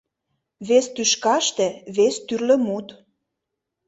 Вес тӱшкаште вес тӱрлӧ мут.